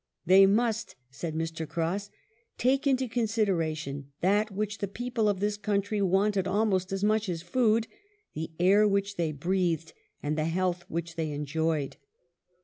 " They must," said Mr. Cross, " take into consideration that which the people of this country wanted almost as much as food — the air which they breathed and the health which they enjoyed."